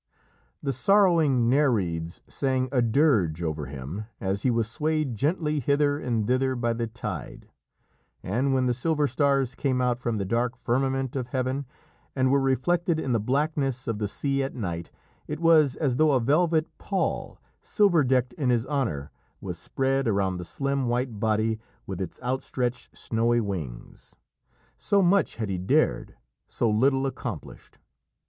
The sorrowing Nereids sang a dirge over him as he was swayed gently hither and thither by the tide, and when the silver stars came out from the dark firmament of heaven and were reflected in the blackness of the sea at night, it was as though a velvet pall, silver decked in his honour, was spread around the slim white body with its outstretched snowy wings. So much had he dared so little accomplished.